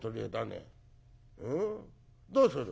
どうする？